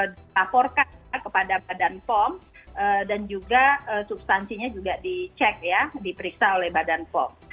dilaporkan kepada badan pom dan juga substansinya juga dicek ya diperiksa oleh badan pom